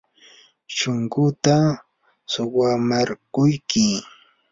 shunquuta suwamarquyki.